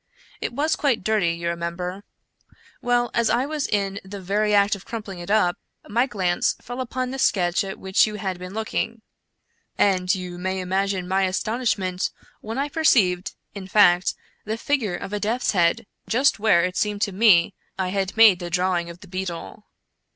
It was quite dirty, you remember. Well, as I was in the very act of crumipling it up, my glance fell upon the sketch at which you had been looking, and you may imagine my astonishment when I perceived, in fact, the figure of a death's head just where, it seemed to me, I had made the drawing of the beetle.